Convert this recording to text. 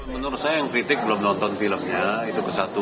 menurut saya yang kritik belum nonton filmnya itu ke satu